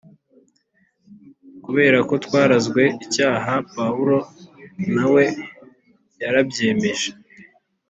kubera ko twarazwe icyaha, Pawulo na we yarabyemeje